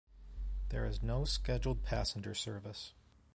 There is no scheduled passenger service.